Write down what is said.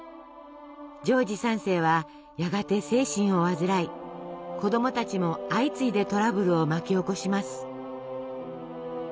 ジョージ３世はやがて精神を患い子どもたちも相次いでトラブルを巻き起こします。